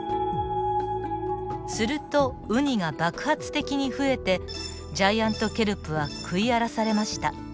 するとウニが爆発的に増えてジャイアントケルプは食い荒らされました。